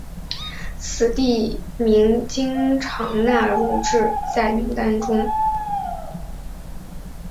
此地名经常纳入至的名单中。